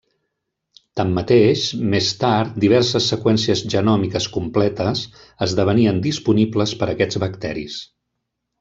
Tanmateix, més tard diverses seqüències genòmiques completes esdevenien disponibles per aquests bacteris.